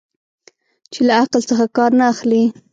چې له عقل څخه کار نه اخلي.